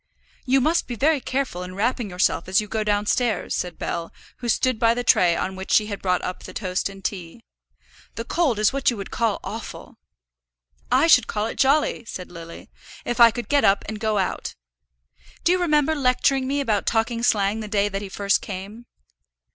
"You must be very careful in wrapping yourself as you go downstairs," said Bell, who stood by the tray on which she had brought up the toast and tea. "The cold is what you would call awful." "I should call it jolly," said Lily, "if I could get up and go out. Do you remember lecturing me about talking slang the day that he first came?"